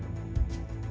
bang kau berani irep tuju